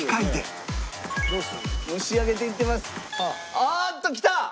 ああっときた！